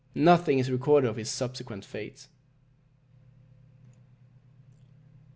Nothing is recorded of his subsequent fate.